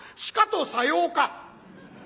「しかとさようか」。